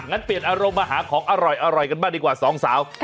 เปลี่ยนอารมณ์มาหาของอร่อยกันบ้างดีกว่าสองสาว